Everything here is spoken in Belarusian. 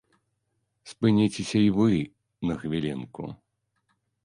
Спыніцеся і вы на хвілінку.